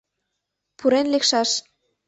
— Пурен лекшаш.